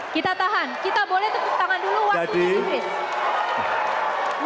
kita tahan kita boleh tepuk tangan dulu waktunya di brace